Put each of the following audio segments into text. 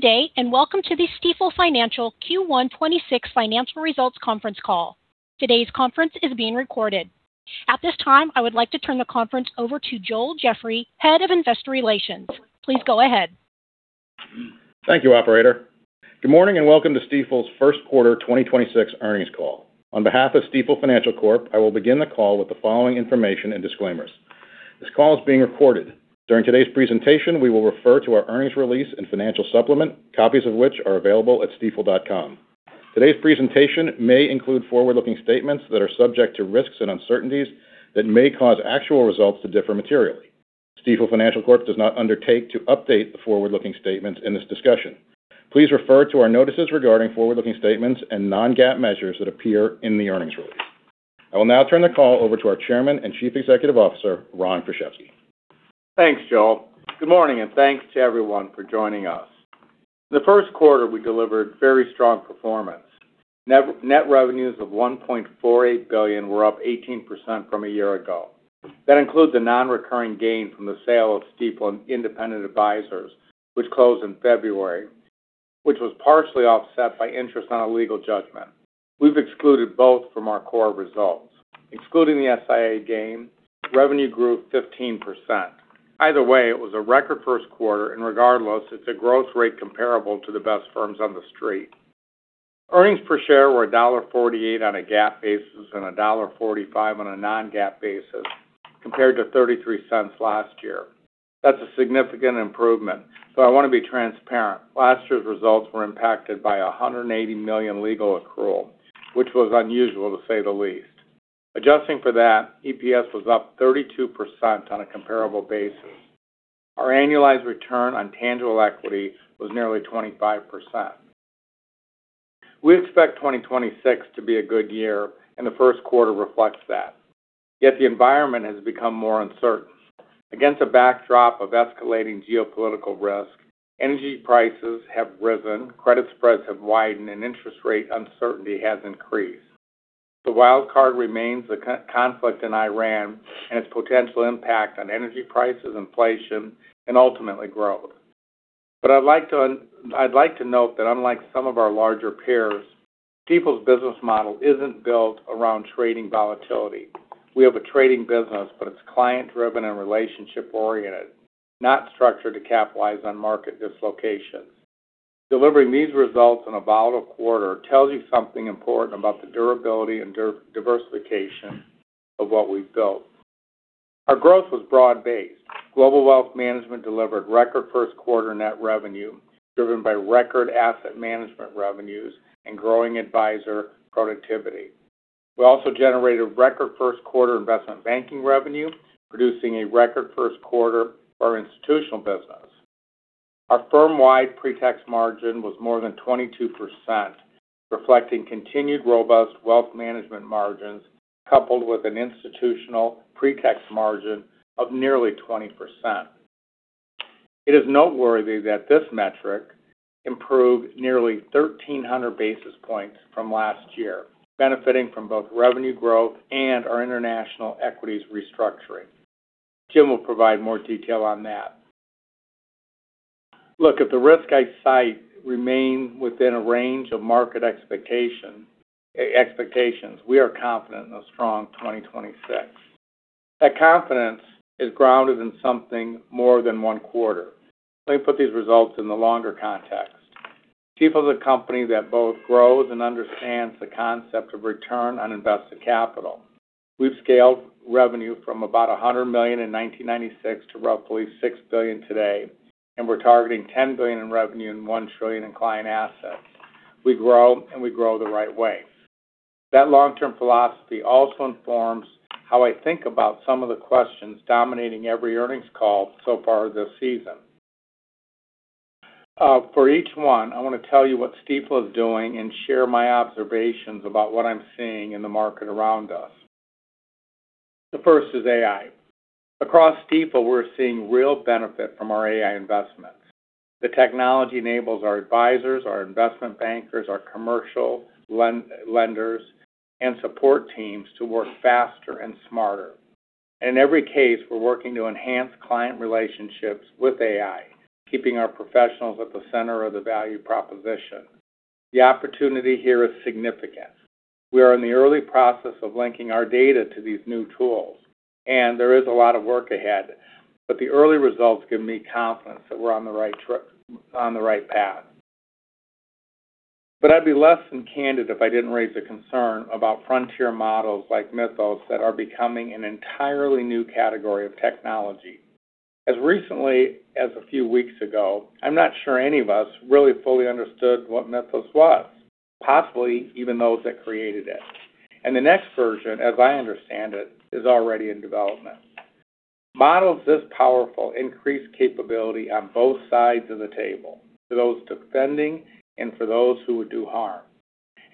Good day, and welcome to the Stifel Financial Q1 2026 Financial Results Conference Call. Today's conference is being recorded. At this time, I would like to turn the conference over to Joel Jeffrey, Head of Investor Relations. Please go ahead. Thank you, Operator. Good morning and welcome to Stifel's first quarter 2026 earnings call. On behalf of Stifel Financial Corp, I will begin the call with the following information and disclaimers. This call is being recorded. During today's presentation, we will refer to our earnings release and financial supplement, copies of which are available at stifel.com. Today's presentation may include forward-looking statements that are subject to risks and uncertainties that may cause actual results to differ materially. Stifel Financial Corp does not undertake to update the forward-looking statements in this discussion. Please refer to our notices regarding forward-looking statements and non-GAAP measures that appear in the earnings release. I will now turn the call over to our Chairman and Chief Executive Officer, Ron Kruszewski. Thanks, Joel. Good morning and thanks to everyone for joining us. In the first quarter, we delivered very strong performance. Net revenues of $1.48 billion were up 18% from a year ago. That includes a non-recurring gain from the sale of Stifel Independent Advisors, which closed in February, which was partially offset by interest on a legal judgment. We've excluded both from our core results. Excluding the SIA gain, revenue grew 15%. Either way, it was a record first quarter, and regardless, it's a growth rate comparable to the best firms on The Street. Earnings per share were $1.48 on a GAAP basis and $1.45 on a non-GAAP basis, compared to $0.33 last year. That's a significant improvement, so I want to be transparent. Last year's results were impacted by $180 million legal accrual, which was unusual, to say the least. Adjusting for that, EPS was up 32% on a comparable basis. Our annualized return on tangible equity was nearly 25%. We expect 2026 to be a good year, and the first quarter reflects that. Yet the environment has become more uncertain. Against a backdrop of escalating geopolitical risk, energy prices have risen, credit spreads have widened, and interest rate uncertainty has increased. The wild card remains the conflict in Iran and its potential impact on energy prices, inflation, and ultimately growth. But I'd like to note that unlike some of our larger peers, Stifel's business model isn't built around trading volatility. We have a trading business, but it's client-driven and relationship-oriented, not structured to capitalize on market dislocations. Delivering these results in a volatile quarter tells you something important about the durability and diversification of what we've built. Our growth was broad-based. Global Wealth Management delivered record first quarter net revenue, driven by record asset management revenues and growing advisor productivity. We also generated record first quarter investment banking revenue, producing a record first quarter for our institutional business. Our firm-wide pre-tax margin was more than 22%, reflecting continued robust wealth management margins, coupled with an institutional pre-tax margin of nearly 20%. It is noteworthy that this metric improved nearly 1,300 basis points from last year, benefiting from both revenue growth and our international equities restructuring. Jim will provide more detail on that. Look, if the risks I cite remain within a range of market expectations, we are confident in a strong 2026. That confidence is grounded in something more than one quarter. Let me put these results in the longer context. Stifel's a company that both grows and understands the concept of return on invested capital. We've scaled revenue from about $100 million in 1996 to roughly $6 billion today, and we're targeting $10 billion in revenue and $1 trillion in client assets. We grow and we grow the right way. That long-term philosophy also informs how I think about some of the questions dominating every earnings call so far this season. For each one, I want to tell you what Stifel is doing and share my observations about what I'm seeing in the market around us. The first is AI. Across Stifel, we're seeing real benefit from our AI investment. The technology enables our advisors, our investment bankers, our commercial lenders, and support teams to work faster and smarter. In every case, we're working to enhance client relationships with AI, keeping our professionals at the center of the value proposition. The opportunity here is significant. We are in the early process of linking our data to these new tools, and there is a lot of work ahead, but the early results give me confidence that we're on the right path. I'd be less than candid if I didn't raise a concern about frontier models like Mythos that are becoming an entirely new category of technology. As recently as a few weeks ago, I'm not sure any of us really fully understood what Mythos was, possibly even those that created it. The next version, as I understand it, is already in development. Models this powerful increase capability on both sides of the table, for those defending and for those who would do harm.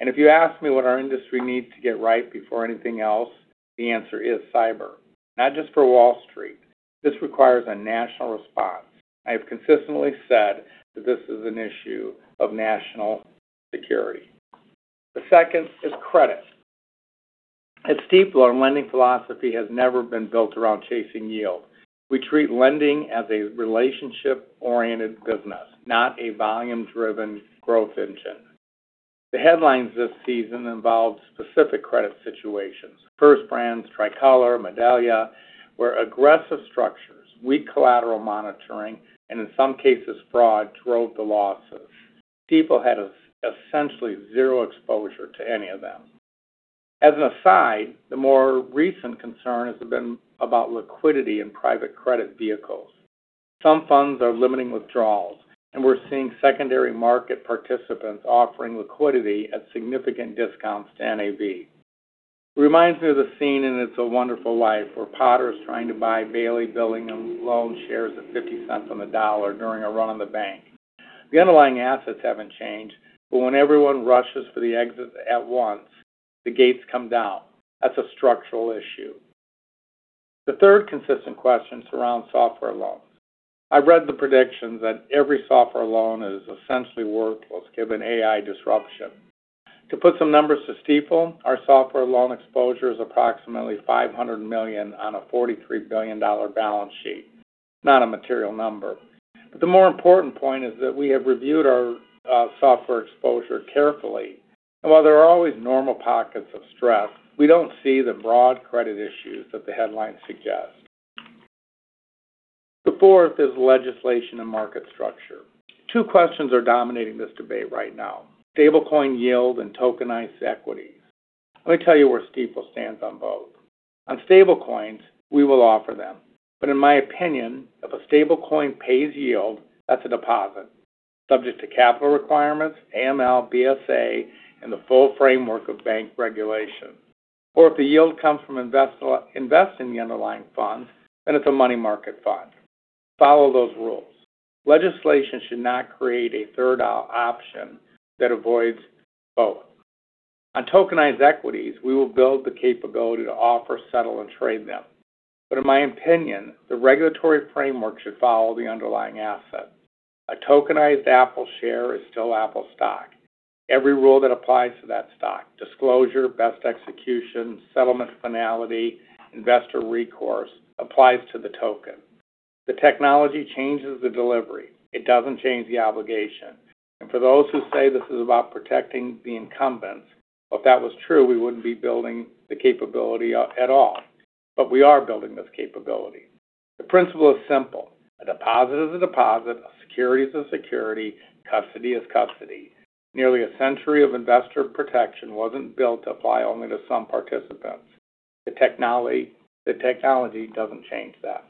If you ask me what our industry needs to get right before anything else, the answer is cyber. Not just for Wall Street. This requires a national response. I have consistently said that this is an issue of national security. The second is credit. At Stifel, our lending philosophy has never been built around chasing yield. We treat lending as a relationship-oriented business, not a volume-driven growth engine. The headlines this season involve specific credit situations. First Brands Group, Tricolor, Medallia, where aggressive structures, weak collateral monitoring, and in some cases fraud, drove the losses. Stifel had essentially zero exposure to any of them. As an aside, the more recent concerns have been about liquidity in private credit vehicles. Some funds are limiting withdrawals, and we're seeing secondary market participants offering liquidity at significant discounts to NAV. Reminds me of the scene in "It's a Wonderful Life," where Potter's trying to buy Bailey Building and Loan shares at $0.50 on the dollar during a run on the bank. The underlying assets haven't changed, but when everyone rushes for the exit at once, the gates come down. That's a structural issue. The third consistent question surrounds software loans. I've read the predictions that every software loan is essentially worthless given AI disruption. To put some numbers to Stifel, our software loan exposure is approximately $500 million on a $43 billion balance sheet. Not a material number. The more important point is that we have reviewed our software exposure carefully. While there are always normal pockets of stress, we don't see the broad credit issues that the headlines suggest. The fourth is legislation and market structure. Two questions are dominating this debate right now. Stable coin yield and tokenized equities. Let me tell you where Stifel stands on both. On stable coins, we will offer them. In my opinion, if a stable coin pays yield, that's a deposit subject to capital requirements, AML, BSA, and the full framework of bank regulation. If the yield comes from investing in the underlying fund, then it's a money market fund. Follow those rules. Legislation should not create a third option that avoids both. On tokenized equities, we will build the capability to offer, settle, and trade them. In my opinion, the regulatory framework should follow the underlying asset. A tokenized Apple share is still Apple stock. Every rule that applies to that stock, disclosure, best execution, settlement finality, investor recourse, applies to the token. The technology changes the delivery. It doesn't change the obligation. For those who say this is about protecting the incumbents, well, if that was true, we wouldn't be building the capability at all. We are building this capability. The principle is simple. A deposit is a deposit. A security is a security. Custody is custody. Nearly a century of investor protection wasn't built to apply only to some participants. The technology doesn't change that.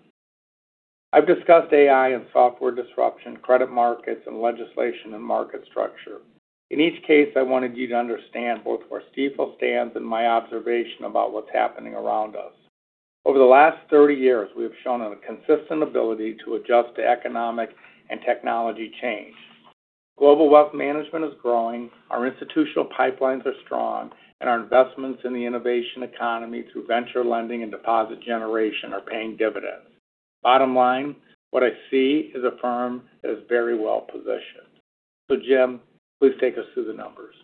I've discussed AI and software disruption, credit markets, and legislation and market structure. In each case, I wanted you to understand both where Stifel stands and my observation about what's happening around us. Over the last 30 years, we have shown a consistent ability to adjust to economic and technology change. Global Wealth Management is growing, our institutional pipelines are strong, and our investments in the innovation economy through venture lending and deposit generation are paying dividends. Bottom line, what I see is a firm that is very well positioned. Jim, please take us through the numbers.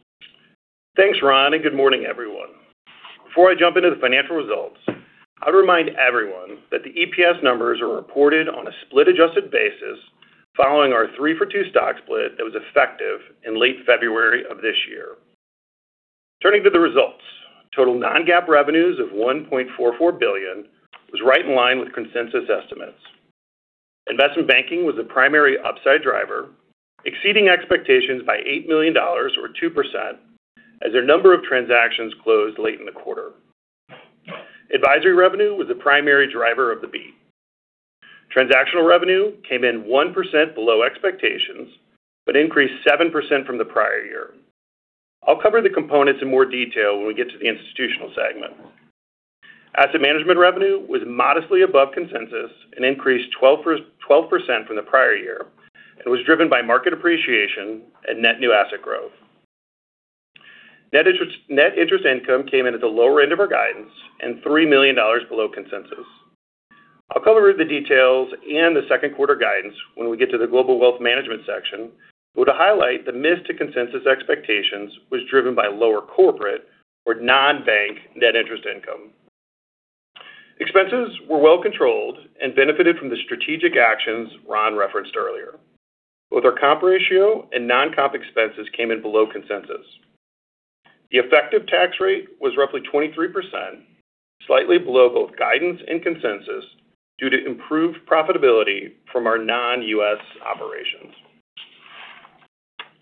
Thanks, Ron, and good morning, everyone. Before I jump into the financial results, I would remind everyone that the EPS numbers are reported on a split-adjusted basis following our three-for-two stock split that was effective in late February of this year. Turning to the results. Total non-GAAP revenues of $1.44 billion was right in line with consensus estimates. Investment banking was the primary upside driver, exceeding expectations by $8 million or 2% as their number of transactions closed late in the quarter. Advisory revenue was the primary driver of the beat. Transactional revenue came in 1% below expectations but increased 7% from the prior year. I'll cover the components in more detail when we get to the institutional segment. Asset management revenue was modestly above consensus and increased 12% from the prior year, and was driven by market appreciation and net new asset growth. Net interest income came in at the lower end of our guidance and $3 million below consensus. I'll cover the details and the second quarter guidance when we get to the Global Wealth Management section. To highlight the miss to consensus expectations was driven by lower corporate or non-bank net interest income. Expenses were well controlled and benefited from the strategic actions Ron referenced earlier. Both our comp ratio and non-comp expenses came in below consensus. The effective tax rate was roughly 23%, slightly below both guidance and consensus, due to improved profitability from our non-U.S. operations.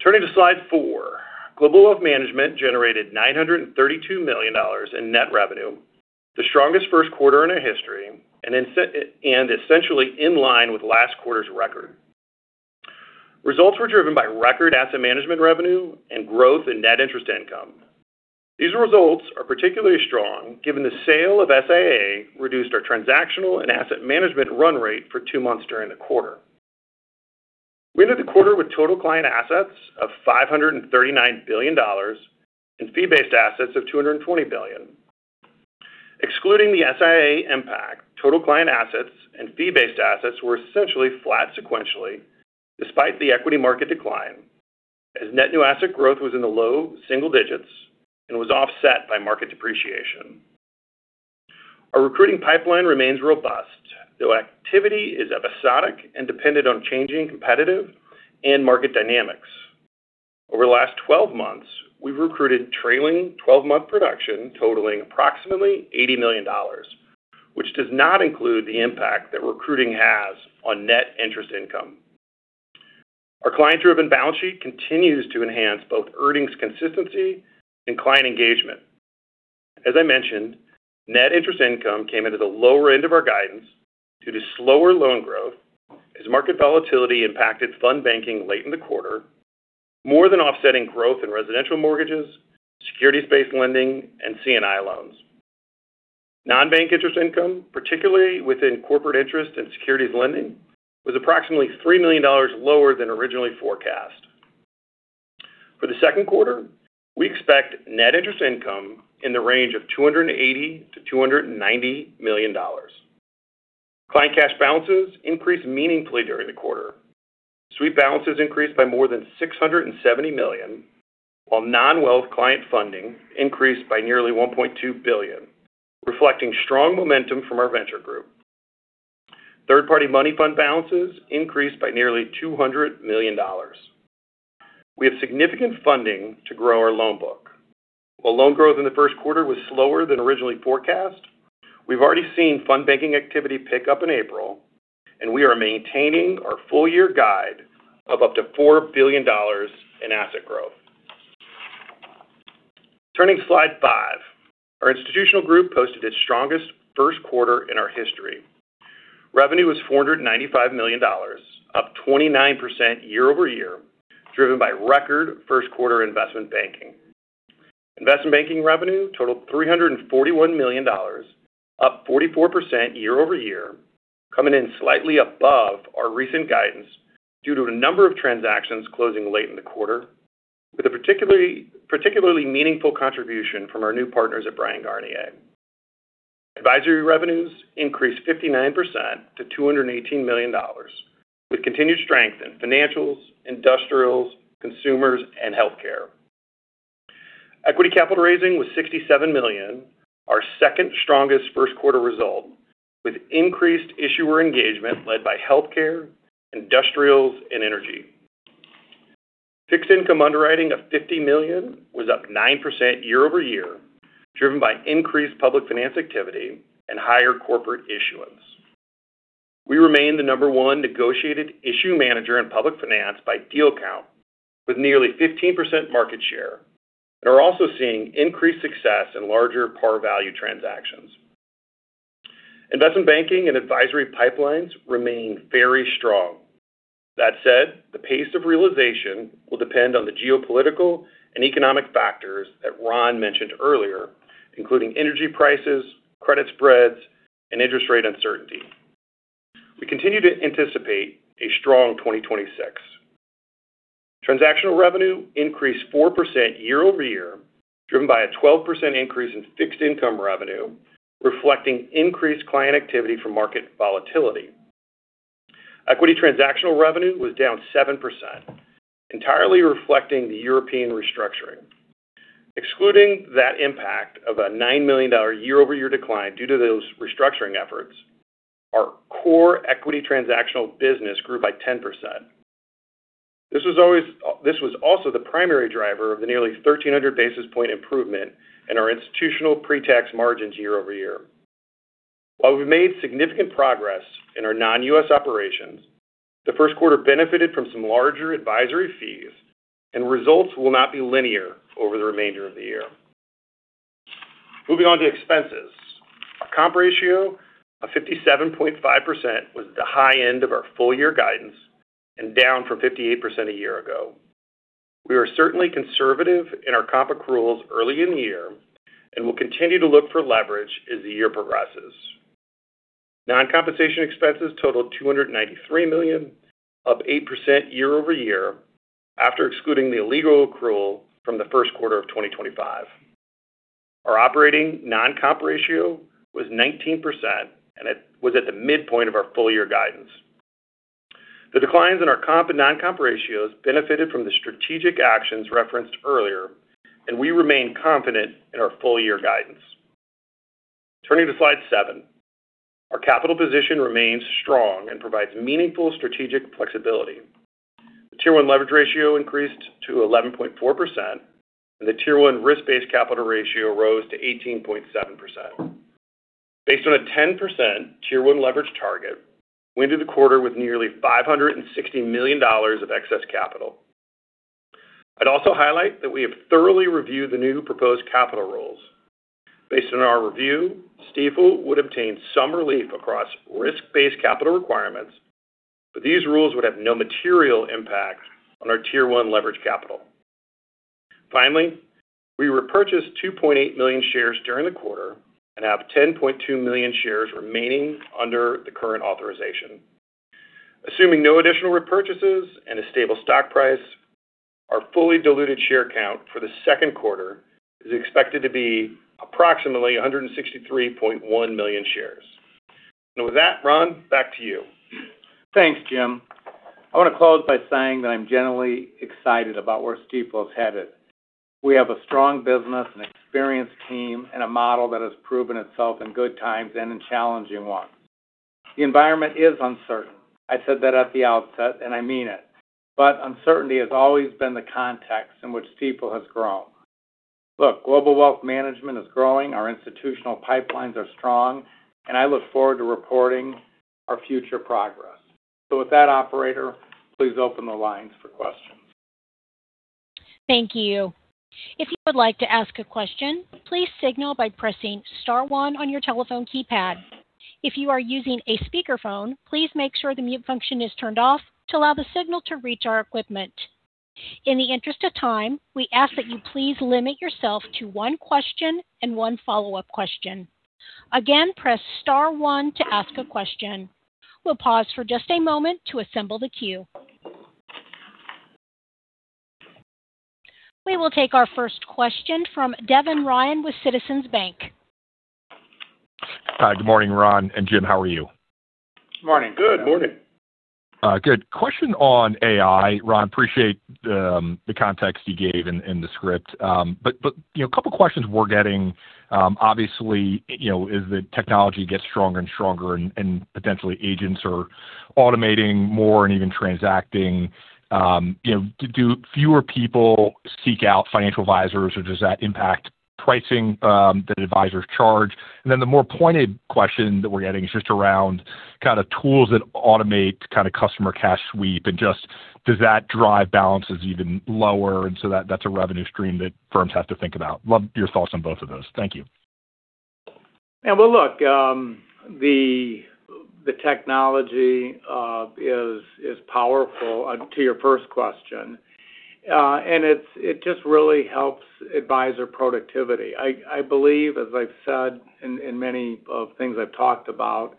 Turning to slide four. Global Wealth Management generated $932 million in net revenue, the strongest first quarter in our history, and essentially in line with last quarter's record. Results were driven by record asset management revenue and growth in net interest income. These results are particularly strong given the sale of SIA reduced our transactional and asset management run rate for two months during the quarter. We ended the quarter with total client assets of $539 billion and fee-based assets of $220 billion. Excluding the SIA impact, total client assets and fee-based assets were essentially flat sequentially despite the equity market decline. As net new asset growth was in the low single digits and was offset by market depreciation. Our recruiting pipeline remains robust, though activity is episodic and dependent on changing competitive and market dynamics. Over the last 12 months, we've recruited trailing 12-month production totaling approximately $80 million, which does not include the impact that recruiting has on net interest income. Our client-driven balance sheet continues to enhance both earnings consistency and client engagement. As I mentioned, net interest income came into the lower end of our guidance due to slower loan growth as market volatility impacted fund banking late in the quarter, more than offsetting growth in residential mortgages, securities-based lending, and C&I loans. Non-bank interest income, particularly within corporate interest and securities lending, was approximately $3 million lower than originally forecast. For the second quarter, we expect net interest income in the range of $280 million-$290 million. Client cash balances increased meaningfully during the quarter. Sweep balances increased by more than $670 million, while non-wealth client funding increased by nearly $1.2 billion, reflecting strong momentum from our venture group. Third-party money fund balances increased by nearly $200 million. We have significant funding to grow our loan book. While loan growth in the first quarter was slower than originally forecast, we've already seen new banking activity pick up in April, and we are maintaining our full year guide of up to $4 billion in asset growth. Turning to slide five. Our institutional group posted its strongest first quarter in our history. Revenue was $495 million, up 29% year-over-year, driven by record first quarter investment banking. Investment banking revenue totaled $341 million, up 44% year-over-year, coming in slightly above our recent guidance due to a number of transactions closing late in the quarter with a particularly meaningful contribution from our new partners at Bryan, Garnier & Co. Advisory revenues increased 59% to $218 million with continued strength in financials, industrials, consumers and healthcare. Equity capital raising was $67 million, our second strongest first quarter result, with increased issuer engagement led by healthcare, industrials and energy. Fixed income underwriting of $50 million was up 9% year-over-year, driven by increased public finance activity and higher corporate issuance. We remain the number one negotiated issue manager in public finance by deal count with nearly 15% market share and are also seeing increased success in larger par value transactions. Investment banking and advisory pipelines remain very strong. That said, the pace of realization will depend on the geopolitical and economic factors that Ron mentioned earlier, including energy prices, credit spreads, and interest rate uncertainty. We continue to anticipate a strong 2026. Transactional revenue increased 4% year-over-year, driven by a 12% increase in fixed income revenue, reflecting increased client activity from market volatility. Equity transactional revenue was down 7%, entirely reflecting the European restructuring. Excluding that impact of a $9 million year-over-year decline due to those restructuring efforts, our core equity transactional business grew by 10%. This was also the primary driver of the nearly 1,300 basis points improvement in our institutional pre-tax margins year-over-year. While we've made significant progress in our non-U.S. operations, the first quarter benefited from some larger advisory fees and results will not be linear over the remainder of the year. Moving on to expenses. Our comp ratio of 57.5% was the high end of our full year guidance and down from 58% a year ago. We are certainly conservative in our comp accruals early in the year and will continue to look for leverage as the year progresses. Non-compensation expenses totaled $293 million, up 8% year-over-year after excluding the legal accrual from the first quarter of 2025. Our operating non-comp ratio was 19%, and it was at the midpoint of our full year guidance. The declines in our comp and non-comp ratios benefited from the strategic actions referenced earlier, and we remain confident in our full year guidance. Turning to slide seven. Our capital position remains strong and provides meaningful strategic flexibility. The T1 leverage ratio increased to 11.4%, and the T1 risk-based capital ratio rose to 18.7%. Based on a 10% T1 leverage target, we entered the quarter with nearly $560 million of excess capital. I'd also highlight that we have thoroughly reviewed the new proposed capital rules. Based on our review, Stifel would obtain some relief across risk-based capital requirements, but these rules would have no material impact on our T1 leverage capital. Finally, we repurchased 2.8 million shares during the quarter and have 10.2 million shares remaining under the current authorization. Assuming no additional repurchases and a stable stock price, our fully diluted share count for the second quarter is expected to be approximately 163.1 million shares. With that, Ron, back to you. Thanks, Jim. I want to close by saying that I'm generally excited about where Stifel is headed. We have a strong business, an experienced team, and a model that has proven itself in good times and in challenging ones. The environment is uncertain. I said that at the outset, and I mean it. But uncertainty has always been the context in which Stifel has grown. Look, Global Wealth Management is growing, our institutional pipelines are strong, and I look forward to reporting our future progress. With that, operator, please open the lines for questions. Thank you. If you would like to ask a question, please signal by pressing star one on your telephone keypad. If you are using a speakerphone, please make sure the mute function is turned off to allow the signal to reach our equipment. In the interest of time, we ask that you please limit yourself to one question and one follow-up question. Again, press star one to ask a question. We'll pause for just a moment to assemble the queue. We will take our first question from Devin Ryan with Citizens Bank. Hi. Good morning, Ron and Jim. How are you? Morning. Good morning. Good. Question on AI, Ron. Appreciate the context you gave in the script. A couple questions we're getting. Obviously, as the technology gets stronger and stronger and potentially agents are automating more and even transacting, do fewer people seek out financial advisors, or does that impact pricing that advisors charge? Then the more pointed question that we're getting is just around tools that automate customer cash sweep, and just does that drive balances even lower, and so that's a revenue stream that firms have to think about. Love your thoughts on both of those. Thank you. Well, look, the technology is powerful, to your first question. It just really helps advisor productivity. I believe, as I've said in many of things I've talked about,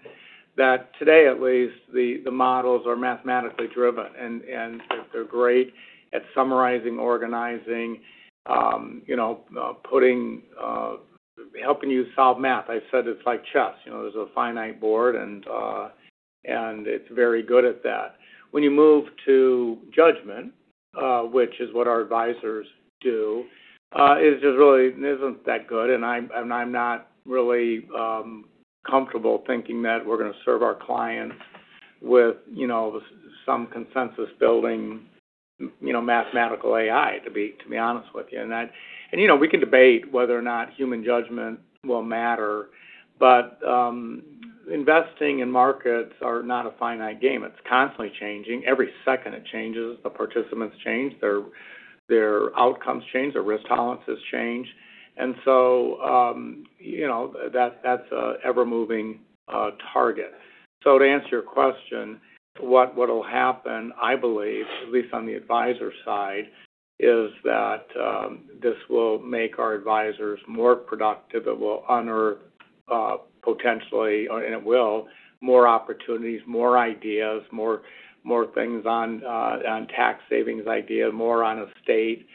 that today at least, the models are mathematically driven, and they're great at summarizing, organizing, helping you solve math. I said it's like chess. There's a finite board, and it's very good at that. When you move to judgment, which is what our advisors do, it just really isn't that good, and I'm not really comfortable thinking that we're going to serve our clients with some consensus-building mathematical AI, to be honest with you. We can debate whether or not human judgment will matter, investing in markets are not a finite game. It's constantly changing. Every second it changes. The participants change. Their outcomes change, their risk tolerances change. That's an ever-moving target. To answer your question, what'll happen, I believe, at least on the advisor side, is that this will make our advisors more productive. It will unearth, potentially, more opportunities, more ideas, more things on tax savings idea, more on estate,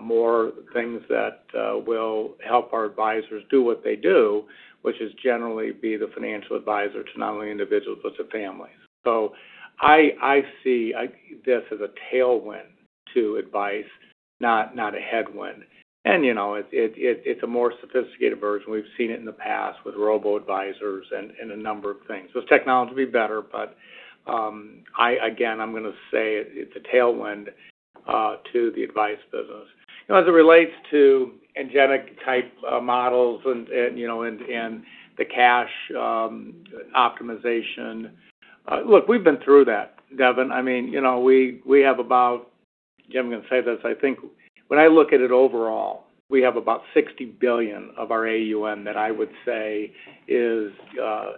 more things that will help our advisors do what they do, which is generally be the financial advisor to not only individuals, but to families. I see this as a tailwind to advice, not a headwind. It's a more sophisticated version. We've seen it in the past with robo-advisors and a number of things. Doesn't technology get better? Again, I'm going to say it's a tailwind to the advice business. As it relates to GenAI-type models and the cash optimization. Look, we've been through that, Devin. I'm going to say this. I think when I look at it overall, we have about $60 billion of our AUM that I would say is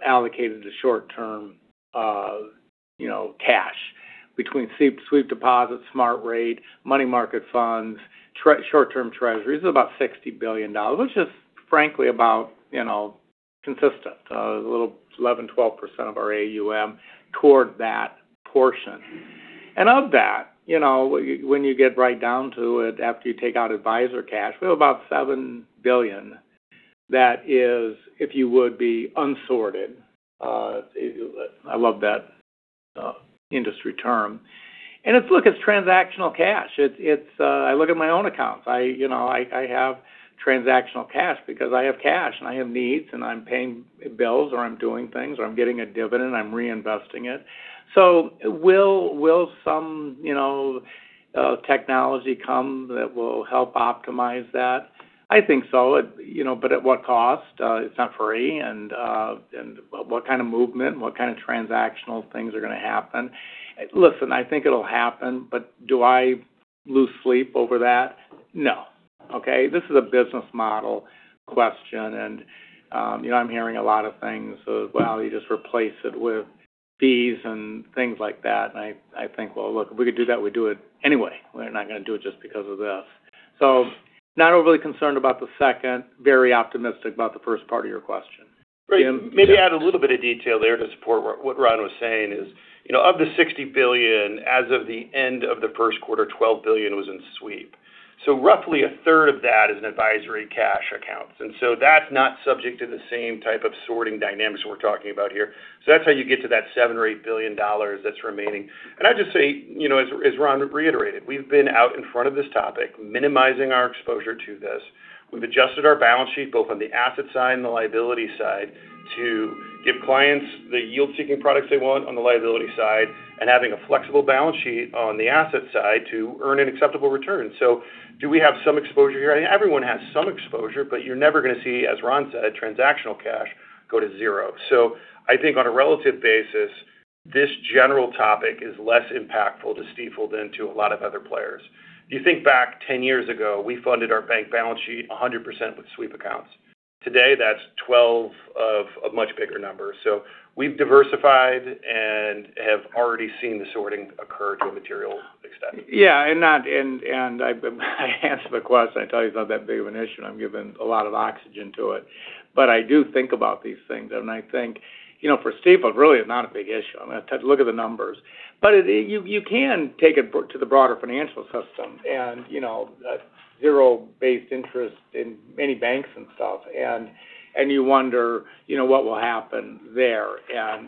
allocated to short-term cash between sweep deposits, smart rate, money market funds, short-term treasuries, about $60 billion, which is frankly about consistent. A little 11%-12% of our AUM toward that portion. Of that, when you get right down to it, after you take out advisor cash, we have about $7 billion. That is, if you would, be unsorted. I love that industry term. Look, it's transactional cash. I look at my own accounts. I have transactional cash because I have cash, and I have needs, and I'm paying bills, or I'm doing things, or I'm getting a dividend, I'm reinvesting it. Will some technology come that will help optimize that? I think so. At what cost? It's not free. What kind of movement? What kind of transactional things are going to happen? Listen, I think it'll happen. Do I lose sleep over that? No. Okay. This is a business model question, and I'm hearing a lot of things. Well, you just replace it with fees and things like that. I think, well, look, if we could do that, we'd do it anyway. We're not going to do it just because of this. Not overly concerned about the second. Very optimistic about the first part of your question. Jim? Maybe add a little bit of detail there to support what Ron was saying is, of the $60 billion, as of the end of the first quarter, $12 billion was in sweep. Roughly a third of that is in advisory cash accounts. That's not subject to the same type of sweeping dynamics we're talking about here. That's how you get to that $7 or $8 billion that's remaining. I'd just say, as Ron reiterated, we've been out in front of this topic, minimizing our exposure to this. We've adjusted our balance sheet both on the asset side and the liability side to give clients the yield-seeking products they want on the liability side, and having a flexible balance sheet on the asset side to earn an acceptable return. Do we have some exposure here? I think everyone has some exposure, but you're never going to see, as Ron said, transactional cash go to zero. I think on a relative basis, this general topic is less impactful to Stifel than to a lot of other players. If you think back 10 years ago, we funded our bank balance sheet 100% with sweep accounts. Today, that's 12% of a much bigger number. We've diversified and have already seen the sorting occur to a material extent. Yeah. I answered the question, I tell you it's not that big of an issue, and I'm giving a lot of oxygen to it. I do think about these things, and I think for Stifel, really, it's not a big issue. I mean, look at the numbers. You can take it to the broader financial system, and zero-based interest in many banks themselves. You wonder what will happen there.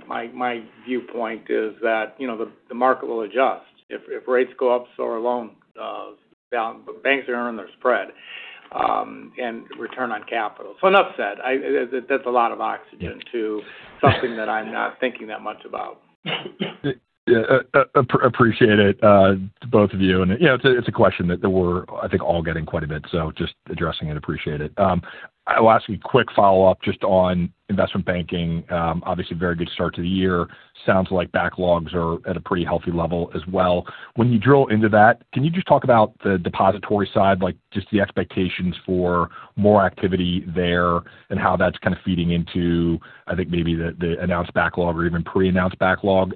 My viewpoint is that the market will adjust. If rates go up, so are loans down. Banks are earning their spread, and return on capital. Enough said. That's a lot of oxygen to something that I'm not thinking that much about. Yeah. Appreciate it, to both of you. It's a question that we're, I think, all getting quite a bit, so just addressing it, appreciate it. I will ask you a quick follow-up just on investment banking. Obviously, a very good start to the year. Sounds like backlogs are at a pretty healthy level as well. When you drill into that, can you just talk about the depository side, just the expectations for more activity there, and how that's kind of feeding into, I think, maybe the announced backlog or even pre-announced backlog.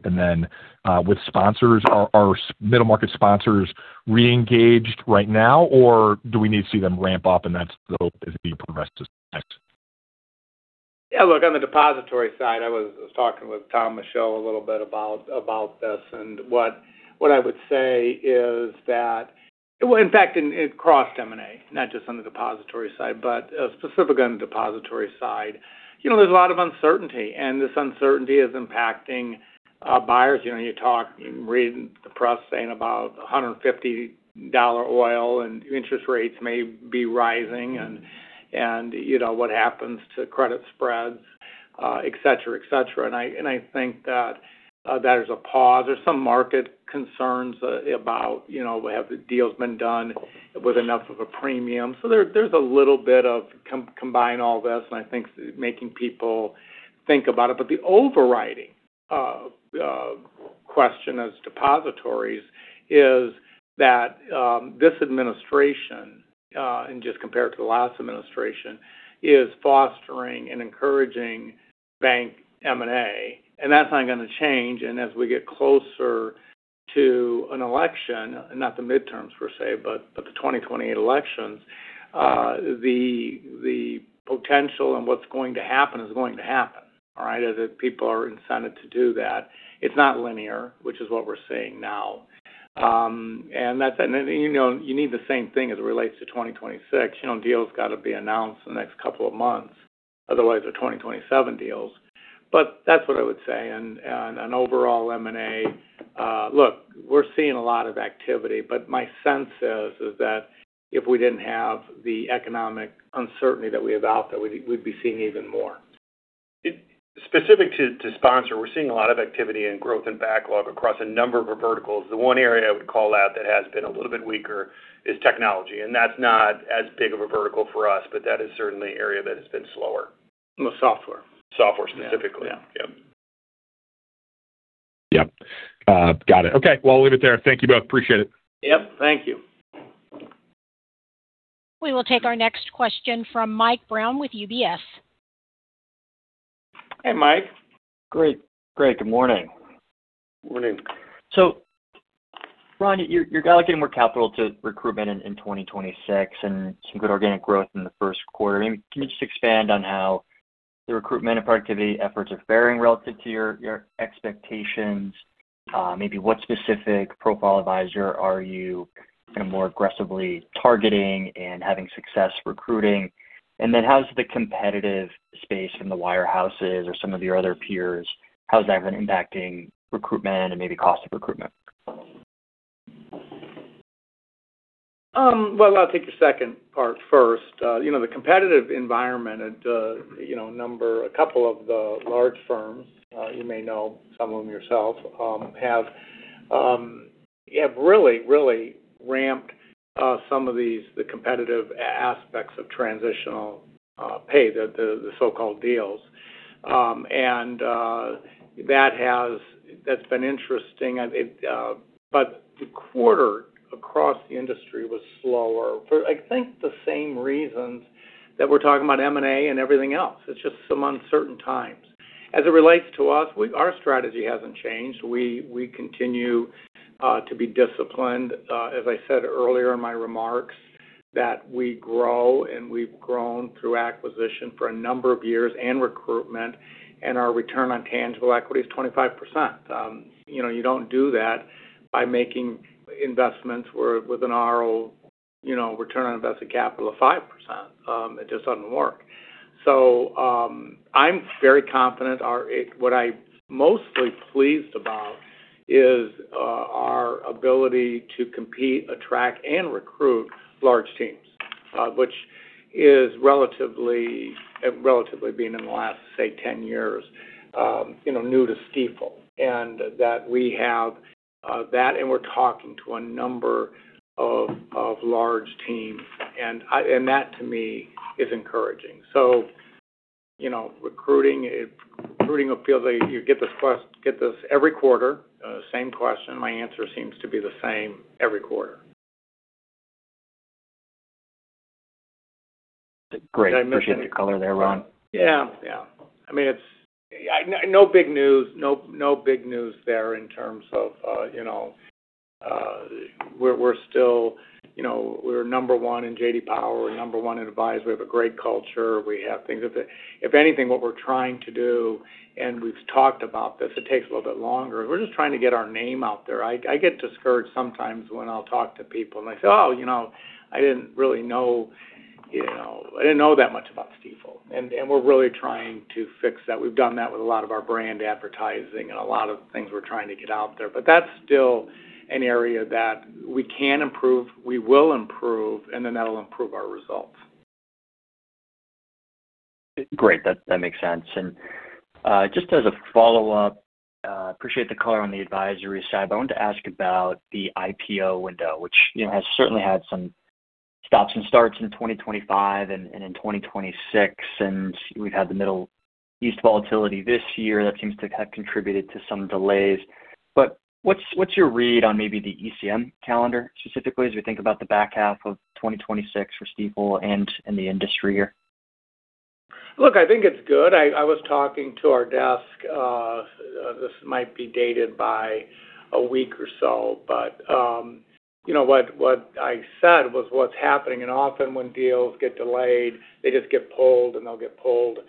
With sponsors, are middle market sponsors reengaged right now or do we need to see them ramp up and that's the hope as we progress to next? Yeah, look, on the depository side, I was talking with Tom Michaud a little bit about this. What I would say is that, in fact, across M&A, not just on the depository side. Specifically on the depository side, there's a lot of uncertainty, and this uncertainty is impacting buyers. You read the press saying about $150 oil and interest rates may be rising and what happens to credit spreads, etc. I think that there's a pause. There's some market concerns about have the deals been done with enough of a premium. There's a little bit of combining all this and I think making people think about it. The overriding question as depositories is that this administration, and just compared to the last administration, is fostering and encouraging bank M&A, and that's not going to change. As we get closer to an election, not the midterms, per se, but the 2028 elections, the potential and what's going to happen is going to happen. All right. As if people are incented to do that. It's not linear, which is what we're seeing now. You need the same thing as it relates to 2026. Deals got to be announced in the next couple of months. Otherwise, they're 2027 deals. That's what I would say. Overall M&A, look, we're seeing a lot of activity, but my sense is that if we didn't have the economic uncertainty that we have out there, we'd be seeing even more. Specific to sponsor, we're seeing a lot of activity and growth in backlog across a number of our verticals. The one area I would call out that has been a little bit weaker is technology. That's not as big of a vertical for us, but that is certainly an area that has been slower. Software. Software specifically. Yeah. Yep. Yep. Got it. Okay. Well, I'll leave it there. Thank you both. Appreciate it. Yep. Thank you. We will take our next question from Michael Brown with UBS. Hey, Mike. Great. Good morning. Morning. Ron, you're allocating more capital to recruitment in 2026 and some good organic growth in the first quarter. Can you just expand on how the recruitment and productivity efforts are faring relative to your expectations? Maybe what specific profile advisor are you more aggressively targeting and having success recruiting? How's the competitive space in the wirehouses or some of your other peers, how's that been impacting recruitment and maybe cost of recruitment? Well, I'll take the second part first. The competitive environment, a couple of the large firms, you may know some of them yourself, have really, really ramped some of the competitive aspects of transitional pay, the so-called deals. That's been interesting. The quarter across the industry was slower for, I think, the same reasons that we're talking about M&A and everything else. It's just some uncertain times. As it relates to us, our strategy hasn't changed. We continue to be disciplined. As I said earlier in my remarks that we grow and we've grown through acquisition for a number of years and recruitment, and our return on tangible equity is 25%. You don't do that by making investments wherewith an ROI, return on invested capital of 5%. It just doesn't work. I'm very confident. What I'm mostly pleased about is our ability to compete, attract, and recruit large teams, which is relatively, being in the last, say, 10 years, new to Stifel. That we have that, and we're talking to a number of large teams, and that to me is encouraging. Recruiting appeals. You get this every quarter. Same question. My answer seems to be the same every quarter. Great. I appreciate the color there, Ron. Yeah. No big news there. We're number one in J.D. Power. We're number one in advice. We have a great culture. If anything, what we're trying to do, and we've talked about this, it takes a little bit longer, we're just trying to get our name out there. I get discouraged sometimes when I'll talk to people, and they say, "Oh, I didn't know that much about Stifel." We're really trying to fix that. We've done that with a lot of our brand advertising and a lot of things we're trying to get out there. That's still an area that we can improve, we will improve, and then that'll improve our results. Great. That makes sense. Just as a follow-up, appreciate the color on the advisory side, but I wanted to ask about the IPO window, which has certainly had some stops and starts in 2025 and in 2026, and we've had the Middle East volatility this year that seems to have contributed to some delays. What's your read on maybe the ECM calendar specifically as we think about the back half of 2026 for Stifel and the industry? Look, I think it's good. I was talking to our desk, this might be dated by a week or so, but what I said was what's happening and often when deals get delayed, they just get pulled, and they'll get pulled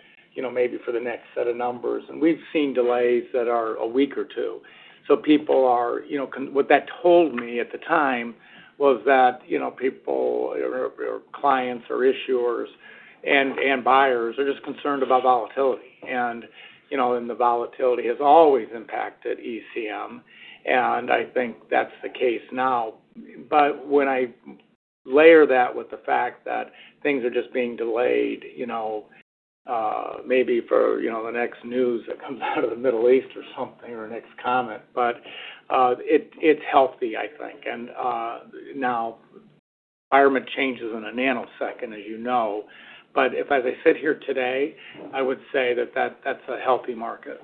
maybe for the next set of numbers. We've seen delays that are a week or two. What that told me at the time was that people or clients or issuers and buyers are just concerned about volatility. The volatility has always impacted ECM, and I think that's the case now. When I layer that with the fact that things are just being delayed maybe for the next news that comes out of the Middle East or something or next comment. It's healthy, I think. The environment changes in a nanosecond, as you know. As I sit here today, I would say that that's a healthy market.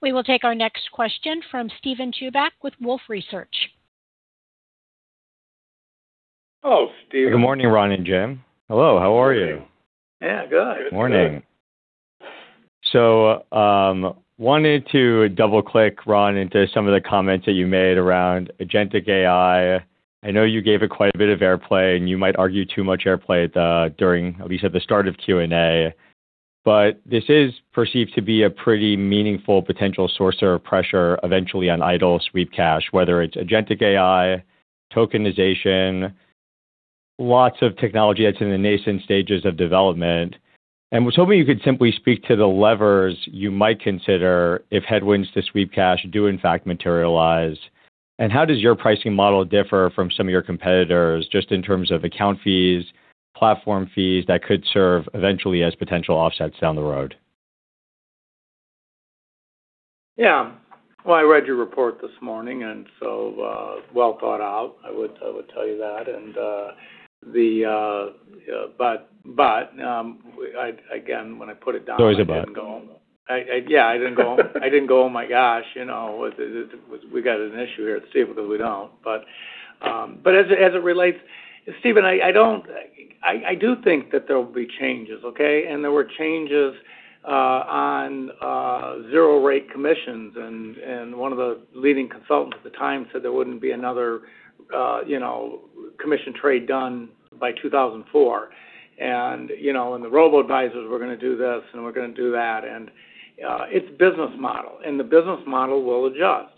We will take our next question from Steven Chubak with Wolfe Research. Oh, Steven. Good morning, Ron and Jim. Hello, how are you? Yeah, good. Morning. Wanted to double-click, Ron, into some of the comments that you made around agentic AI. I know you gave it quite a bit of airplay, and you might argue too much airplay during, at least at the start of Q&A. This is perceived to be a pretty meaningful potential source or pressure eventually on idle sweep cash, whether it's agentic AI, tokenization, lots of technology that's in the nascent stages of development. Was hoping you could simply speak to the levers you might consider if headwinds to sweep cash do in fact materialize. How does your pricing model differ from some of your competitors, just in terms of account fees, platform fees that could serve eventually as potential offsets down the road? Yeah. Well, I read your report this morning, and so well thought out. I would tell you that. Again, when I put it down. Always about. I didn't go, "Oh my gosh, we got an issue here at Stifel," because we don't. As it relates, Steven, I do think that there will be changes, okay? There were changes on zero rate commissions. One of the leading consultants at the time said there wouldn't be another commission trade done by 2004. The robo-advisors were going to do this, and were going to do that. It's business model. The business model will adjust.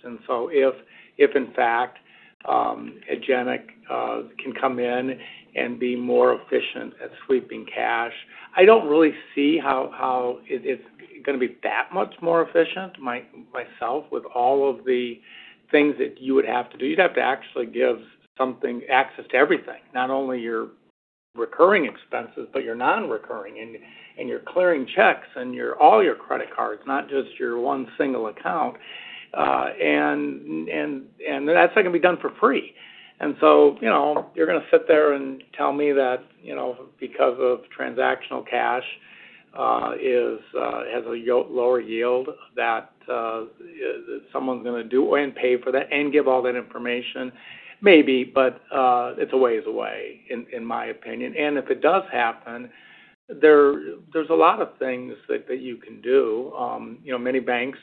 If in fact, agentic can come in and be more efficient at sweeping cash, I don't really see how it's going to be that much more efficient, myself, with all of the things that you would have to do. You'd have to actually give something access to everything. Not only your recurring expenses, but your non-recurring and your clearing checks and all your credit cards, not just your one single account. That's not going to be done for free. You're going to sit there and tell me that because of transactional cash has a lower yield that someone's going to do and pay for that and give all that information. Maybe, but it's a ways away, in my opinion. If it does happen, there's a lot of things that you can do. Many banks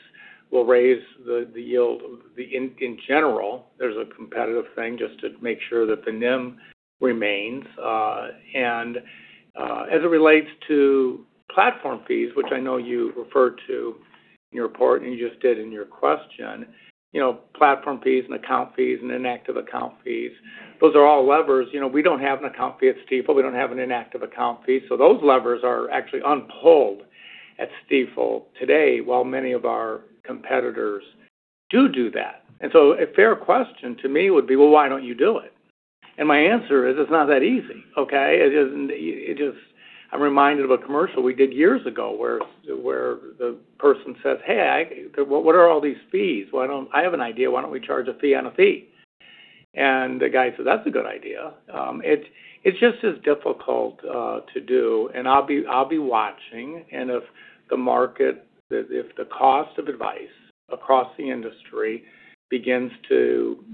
will raise the yield. In general, there's a competitive thing just to make sure that the NIM remains. As it relates to platform fees, which I know you referred to in your report, and you just did in your question, platform fees and account fees and inactive account fees, those are all levers. We don't have an account fee at Stifel. We don't have an inactive account fee. Those levers are actually unpulled at Stifel today, while many of our competitors do that. A fair question to me would be, "Well, why don't you do it?" My answer is, it's not that easy. Okay? I'm reminded of a commercial we did years ago where the person says, "Hey, what are all these fees? I have an idea. Why don't we charge a fee on a fee?" The guy said, "That's a good idea." It's just as difficult to do. I'll be watching. If the cost of advice across the industry begins to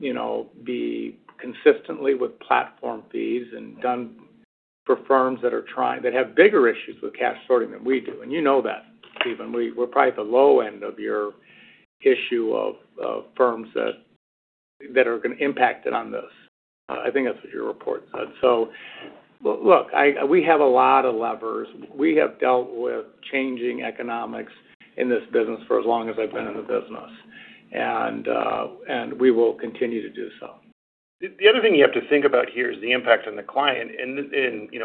be consistently with platform fees and done for firms that have bigger issues with cash sorting than we do. You know that, Steven. We're probably at the low end of your issue of firms that are going to impact it on this. I think that's what your report said. Look, we have a lot of levers. We have dealt with changing economics in this business for as long as I've been in the business. We will continue to do so. The other thing you have to think about here is the impact on the client.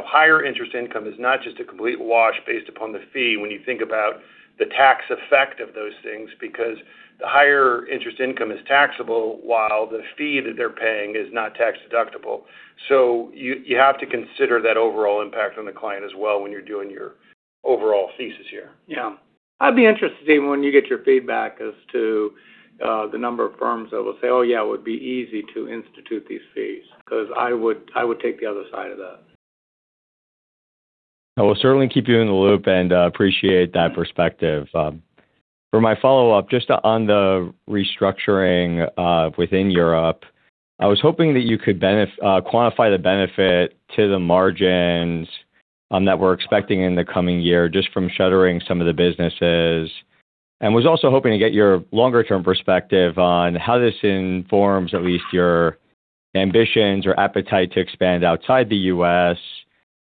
Higher interest income is not just a complete wash based upon the fee when you think about the tax effect of those things because the higher interest income is taxable while the fee that they're paying is not tax-deductible. You have to consider that overall impact on the client as well when you're doing your overall thesis here. Yeah. I'd be interested to see when you get your feedback as to the number of firms that will say, "Oh, yeah, it would be easy to institute these fees." Because I would take the other side of that. I will certainly keep you in the loop and appreciate that perspective. For my follow-up, just on the restructuring within Europe, I was hoping that you could quantify the benefit to the margins that we're expecting in the coming year just from shuttering some of the businesses, and was also hoping to get your longer-term perspective on how this informs at least your ambitions or appetite to expand outside the U.S.,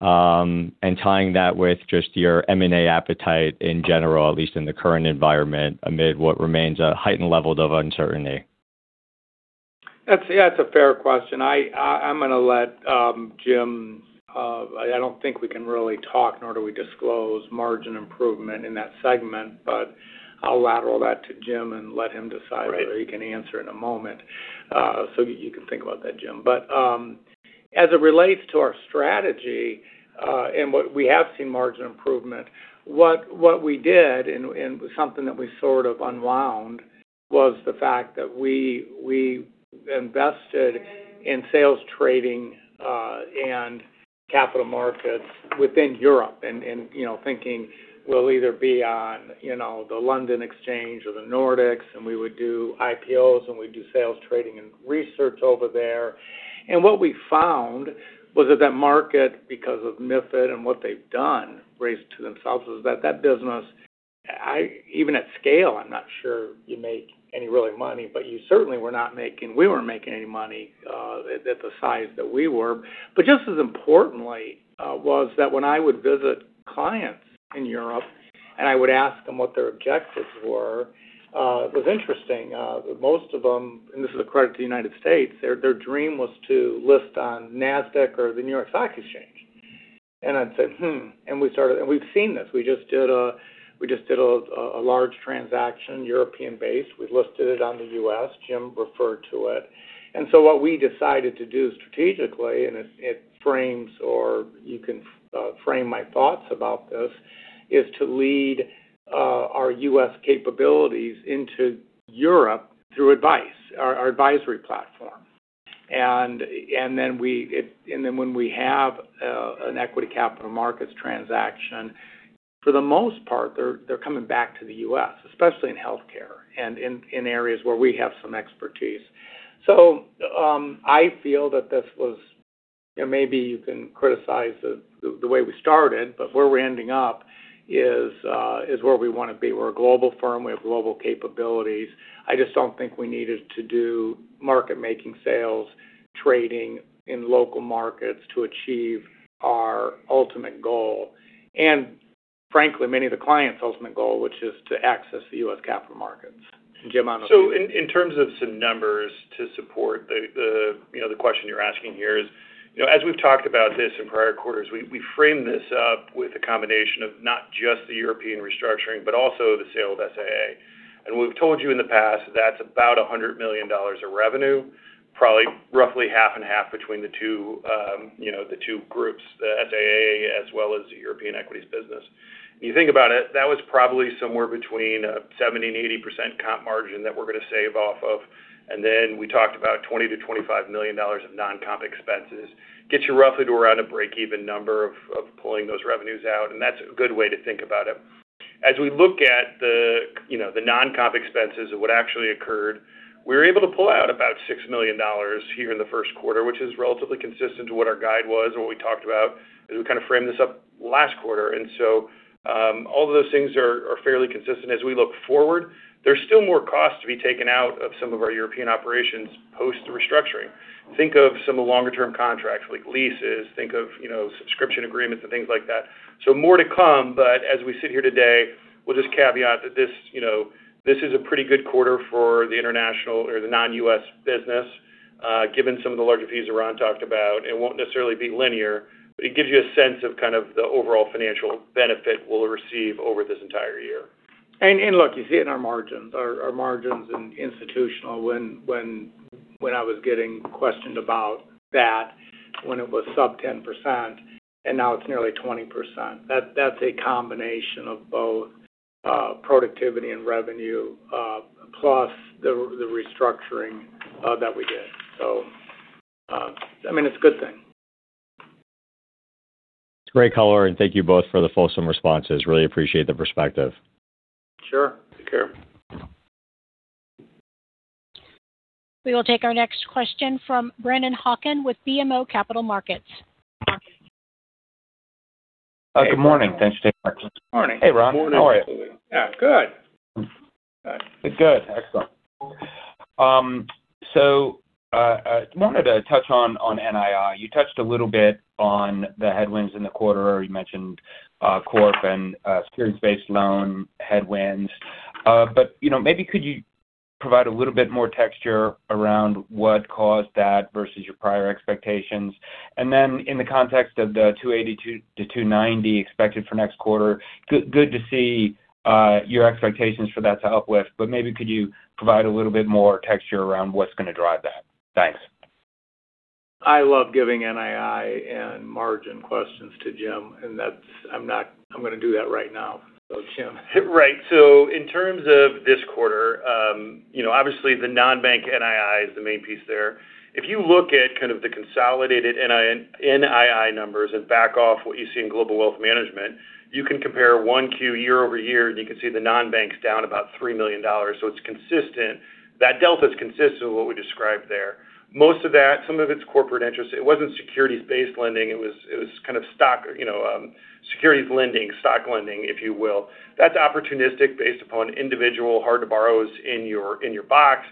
and tying that with just your M&A appetite in general, at least in the current environment, amid what remains a heightened level of uncertainty? That's a fair question. I'm going to let Jim. I don't think we can really talk, nor do we disclose margin improvement in that segment. I'll lateral that to Jim and let him decide whether he can answer in a moment. You can think about that, Jim. As it relates to our strategy and what we have seen margin improvement, what we did and something that we sort of unwound was the fact that we invested in sales trading and capital markets within Europe and thinking we'll either be on the London Stock Exchange or the Nordics, and we would do IPOs, and we'd do sales trading and research over there. What we found was that that market because of MiFID and what they've done has raised the bar for themselves is that that business, even at scale, I'm not sure you make any real money, but you certainly were not making, we weren't making any money at the size that we were. Just as importantly was that when I would visit clients in Europe and I would ask them what their objectives were, it was interesting. Most of them, and this is a credit to the United States, their dream was to list on NASDAQ or the New York Stock Exchange. I'd say, "Hmm." We've seen this. We just did a large transaction, European-based. We've listed it on the U.S. Jim referred to it. What we decided to do strategically, and it frames or you can frame my thoughts about this, is to lead our U.S. capabilities into Europe through our advisory platform. When we have an equity capital markets transaction, for the most part, they're coming back to the U.S., especially in healthcare and in areas where we have some expertise. I feel that this was, maybe you can criticize the way we started, but where we're ending up is where we want to be. We're a global firm. We have global capabilities. I just don't think we needed to do market-making sales, trading in local markets to achieve our ultimate goal and frankly, many of the clients' ultimate goal, which is to access the U.S. capital markets. Jim, I don't know if you- In terms of some numbers to support the question you're asking here is, as we've talked about this in prior quarters, we framed this up with a combination of not just the European restructuring, but also the sale of SIA. We've told you in the past, that's about $100 million of revenue, probably roughly half and half between the two groups, the SIA as well as the European equities business. You think about it, that was probably somewhere between a 70%-80% comp margin that we're going to save off of. Then we talked about $20-$25 million of non-comp expenses. Gets you roughly to around a break-even number of pulling those revenues out. That's a good way to think about it. As we look at the non-comp expenses of what actually occurred, we were able to pull out about $6 million here in the first quarter, which is relatively consistent to what our guide was and what we talked about as we kind of framed this up last quarter. All of those things are fairly consistent. As we look forward, there's still more cost to be taken out of some of our European operations post the restructuring. Think of some of the longer-term contracts, like leases. Think of subscription agreements and things like that. More to come, but as we sit here today, we'll just caveat that this is a pretty good quarter for the international or the non-US business given some of the larger fees Ron talked about. It won't necessarily be linear, but it gives you a sense of kind of the overall financial benefit we'll receive over this entire year. Look, you see it in our margins, our margins in institutional when I was getting questioned about that, when it was sub 10% and now it's nearly 20%. That's a combination of both productivity and revenue plus the restructuring that we did. It's a good thing. It's great color and thank you both for the fulsome responses. Really appreciate the perspective. Sure. Take care. We will take our next question from Brennan Hawken with BMO Capital Markets. Good morning. Thanks, Jennifer. Morning. Hey, Ron. How are you? Yeah, good. Good. Excellent. I wanted to touch on NII. You touched a little bit on the headwinds in the quarter. You mentioned Corp and securities-based loan headwinds. Maybe could you provide a little bit more texture around what caused that versus your prior expectations? Then in the context of the $280-$290 expected for next quarter, good to see your expectations for that to uplift, but maybe could you provide a little bit more texture around what's going to drive that? Thanks. I love giving NII and margin questions to Jim, and I'm going to do that right now. Jim. Right. In terms of this quarter, obviously the non-bank NII is the main piece there. If you look at kind of the consolidated NII numbers and back off what you see in Global Wealth Management, you can compare 1Q year-over-year, and you can see the non-bank's down about $3 million. It's consistent. That delta is consistent with what we described there. Most of that, some of it's corporate interest. It wasn't securities-based lending. It was kind of securities lending, stock lending, if you will. That's opportunistic based upon individual hard-to-borrows in your box.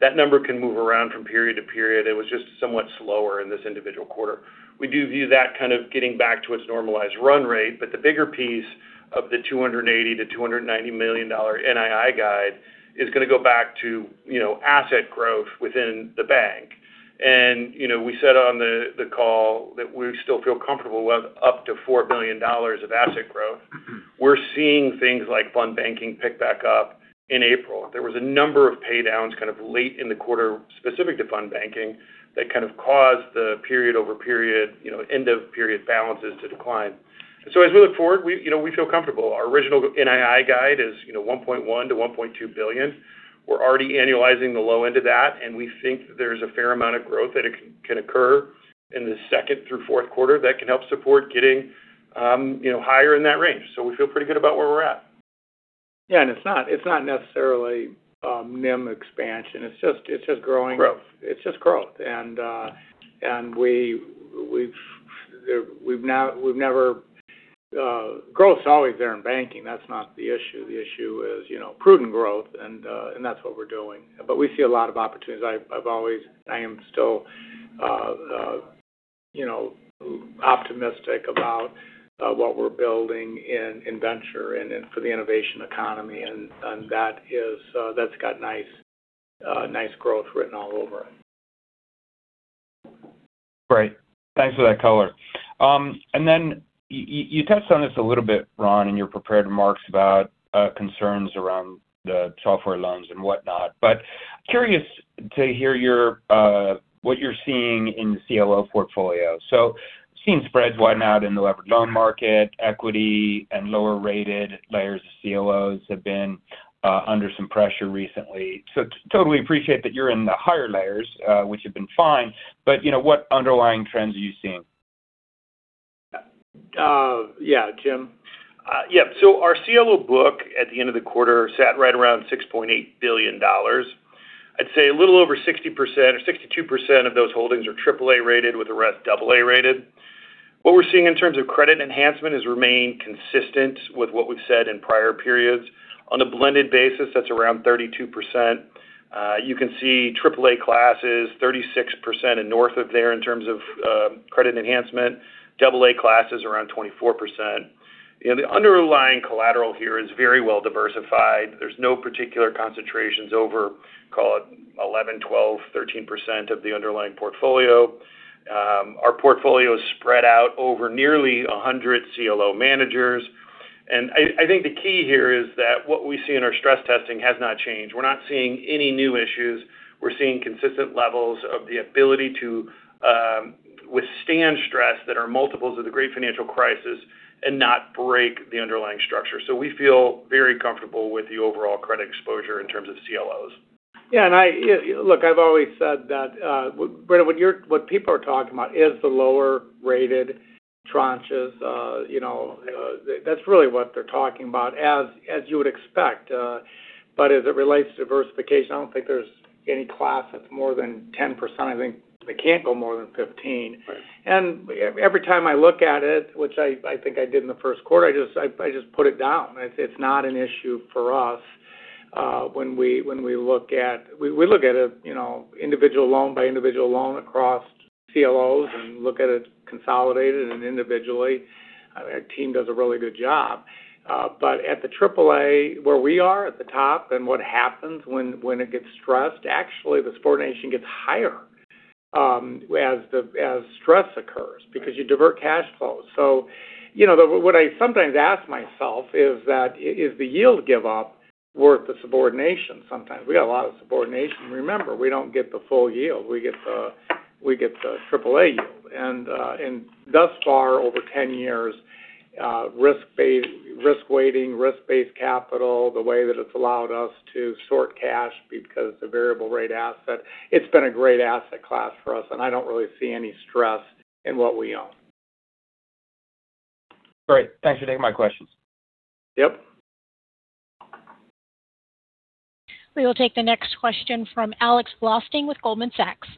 That number can move around from period to period. It was just somewhat slower in this individual quarter. We do view that kind of getting back to its normalized run rate, but the bigger piece of the $280 million-$290 million NII guide is going to go back to asset growth within the bank. We said on the call that we still feel comfortable with up to $4 billion of asset growth. We're seeing things like fund banking pick back up in April. There was a number of pay downs kind of late in the quarter specific to fund banking that kind of caused the period-over-period, end of period balances to decline. As we look forward, we feel comfortable. Our original NII guide is $1.1 billion-$1.2 billion. We're already annualizing the low end of that, and we think that there's a fair amount of growth that can occur in the second through fourth quarter that can help support getting higher in that range. We feel pretty good about where we're at. Yeah, it's not necessarily NIM expansion. It's just growing. Growth It's just growth. Growth's always there in banking. That's not the issue. The issue is prudent growth, and that's what we're doing. We see a lot of opportunities. I am still optimistic about what we're building in venture and for the innovation economy, and that's got nice growth written all over it. Great. Thanks for that color. Then you touched on this a little bit, Ron, in your prepared remarks about concerns around the software loans and whatnot. Curious to hear what you're seeing in the CLO portfolio. Seeing spreads widen out in the levered loan market, equity, and lower rated layers of CLOs have been under some pressure recently. Totally appreciate that you're in the higher layers, which have been fine, but what underlying trends are you seeing? Yeah. Jim? Yeah. Our CLO book at the end of the quarter sat right around $6.8 billion. I'd say a little over 60% or 62% of those holdings are AAA rated with the rest AA rated. What we're seeing in terms of credit enhancement has remained consistent with what we've said in prior periods. On a blended basis, that's around 32%. You can see AAA class is 36% and north of there in terms of credit enhancement. AA class is around 24%. The underlying collateral here is very well diversified. There's no particular concentrations over, call it 11%, 12%, 13% of the underlying portfolio. Our portfolio is spread out over nearly 100 CLO managers. I think the key here is that what we see in our stress testing has not changed. We're not seeing any new issues. We're seeing consistent levels of the ability to withstand stress that are multiples of the great financial crisis and not break the underlying structure. We feel very comfortable with the overall credit exposure in terms of CLOs. Yeah. Look, I've always said that, Brennan, what people are talking about is the lower-rated tranches. That's really what they're talking about, as you would expect. As it relates to diversification, I don't think there's any class that's more than 10%. I think they can't go more than 15%. Right. Every time I look at it, which I think I did in the first quarter, I just put it down. It's not an issue for us when we look at it individual loan by individual loan across CLOs and look at it consolidated and individually. Our team does a really good job. At the AAA, where we are at the top and what happens when it gets stressed, actually the subordination gets higher as stress occurs because you divert cash flows. What I sometimes ask myself is that, is the yield give up worth the subordination sometimes? We got a lot of subordination. Remember, we don't get the full yield. We get the AAA yield. Thus far, over 10 years, risk-weighting, risk-based capital, the way that it's allowed us to short cash because it's a variable rate asset, it's been a great asset class for us, and I don't really see any stress in what we own. Great. Thanks for taking my questions. Yep. We will take the next question from Alex Blostein with Goldman Sachs.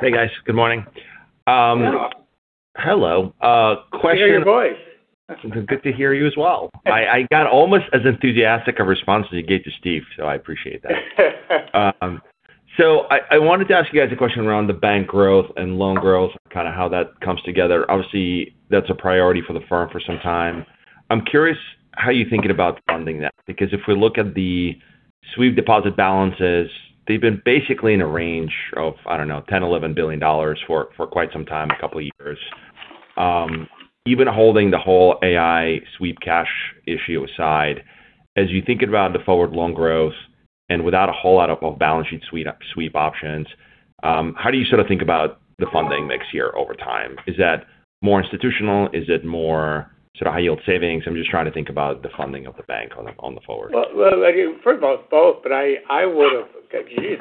Hey, guys. Good morning. Hello. Hello. I hear your voice. It's good to hear you as well. I got almost as enthusiastic a response as you gave to Steve, so I appreciate that. I wanted to ask you guys a question around the bank growth and loan growth, kind of how that comes together. Obviously, that's a priority for the firm for some time. I'm curious how you're thinking about funding that, because if we look at the sweep deposit balances, they've been basically in a range of, I don't know, $10 billion-$11 billion for quite some time, a couple of years. Even holding the whole AI sweep cash issue aside, as you think about the forward loan growth and without a whole lot of balance sheet sweep options, how do you sort of think about the funding mix here over time? Is that more institutional? Is it more sort of high yield savings? I'm just trying to think about the funding of the bank on the forward. Well, look, first of all, it's both. Geez,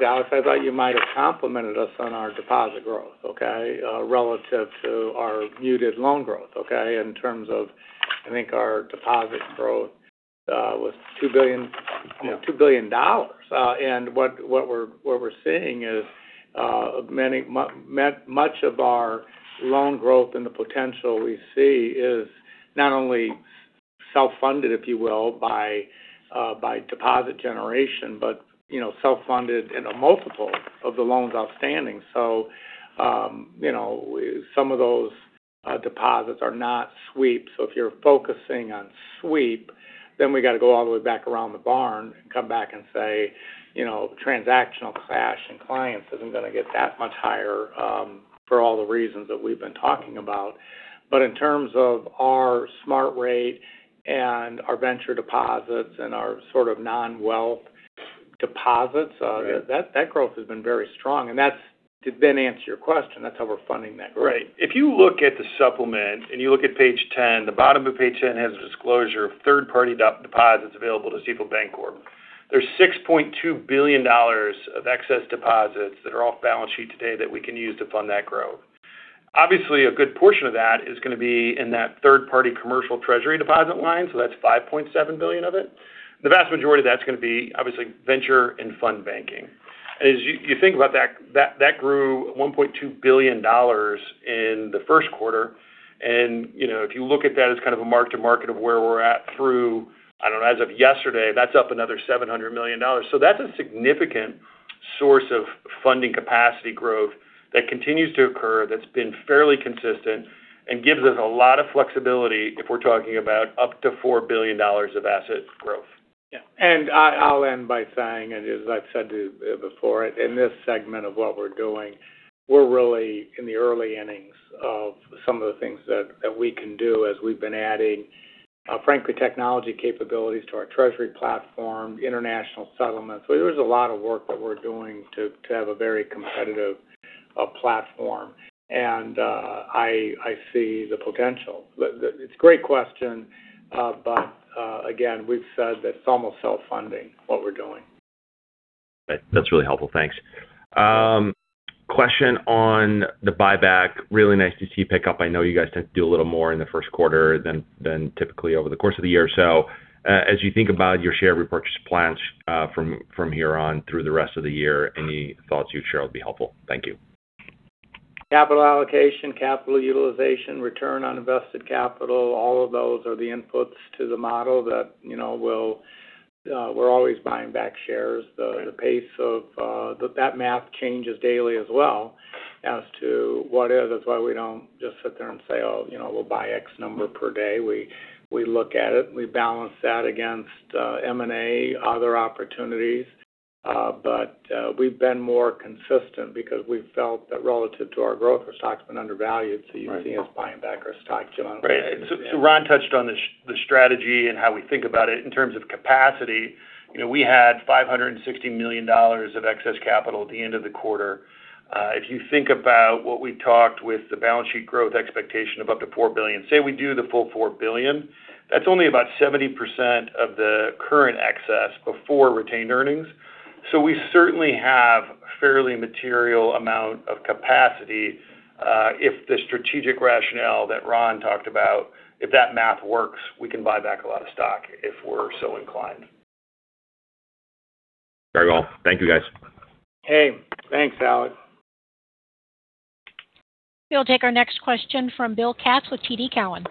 Alex, I thought you might have complimented us on our deposit growth, okay? Relative to our muted loan growth, okay? In terms of, I think our deposit growth was $2 billion. What we're seeing is much of our loan growth and the potential we see is not only self-funded, if you will, by deposit generation, but self-funded in a multiple of the loans outstanding. Some of those deposits are not sweep. If you're focusing on sweep, then we got to go all the way back around the barn and come back and say, transactional cash and clients isn't going to get that much higher for all the reasons that we've been talking about. In terms of our Smart Rate and our venture deposits and our sort of non-wealth deposits. Right that growth has been very strong. To then answer your question, that's how we're funding that growth. Right. If you look at the supplement and you look at page 10. The bottom of page 10 has a disclosure of third-party deposits available to Stifel Bank Corp. There's $6.2 billion of excess deposits that are off balance sheet today that we can use to fund that growth. Obviously, a good portion of that is going to be in that third-party commercial treasury deposit line. That's $5.7 billion of it. The vast majority of that's going to be obviously venture and fund banking. As you think about that grew $1.2 billion in the first quarter. If you look at that as kind of a mark to market of where we're at through, I don't know, as of yesterday, that's up another $700 million. That's a significant source of funding capacity growth that continues to occur, that's been fairly consistent and gives us a lot of flexibility if we're talking about up to $4 billion of asset growth. Yeah. I'll end by saying, and as I've said before, in this segment of what we're doing, we're really in the early innings of some of the things that we can do as we've been adding, frankly, technology capabilities to our treasury platform, international settlements. There's a lot of work that we're doing to have a very competitive platform. I see the potential. It's a great question. Again, we've said that it's almost self-funding what we're doing. Right. That's really helpful. Thanks. Question on the buyback. Really nice to see it pick up. I know you guys tend to do a little more in the first quarter than typically over the course of the year. As you think about your share repurchase plans from here on through the rest of the year, any thoughts you'd share would be helpful? Thank you. Capital allocation, capital utilization, return on invested capital, all of those are the inputs to the model that we're always buying back shares. Right. The pace of that math changes daily as well as to what is. That's why we don't just sit there and say, "Oh, we'll buy X number per day." We look at it. We balance that against M&A, other opportunities. But we've been more consistent because we've felt that relative to our growth, our stock's been undervalued. Right. You'll see us buying back our stock. Right. Ron touched on the strategy and how we think about it in terms of capacity. We had $560 million of excess capital at the end of the quarter. If you think about what we talked about the balance sheet growth expectation of up to $4 billion. Say we do the full $4 billion, that's only about 70% of the current excess before retained earnings. We certainly have fairly material amount of capacity if the strategic rationale that Ron talked about, if that math works, we can buy back a lot of stock if we're so inclined. Very well. Thank you, guys. Hey, thanks, Alex. We'll take our next question from Bill Katz with TD Cowen.